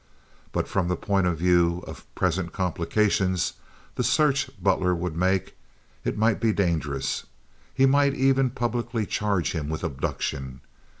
But from the point of view of present complications—the search Butler would make—it might be dangerous. He might even publicly charge him with abduction.